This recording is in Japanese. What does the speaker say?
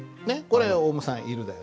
これオウムさん「いる」だよね。